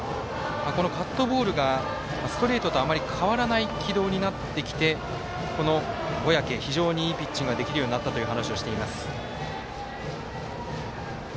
カットボールがストレートとあまり変わらない軌道になってきて小宅、非常にいいピッチングができるようになったと話をしています。